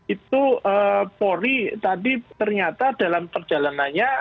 itu polri tadi ternyata dalam perjalanannya